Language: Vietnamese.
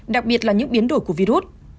đặc biệt là những biến đổi của virus